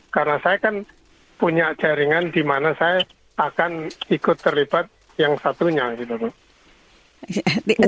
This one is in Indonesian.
karena saya kan punya jaringan dimana saya akan ikut terlibat yang satunya gitu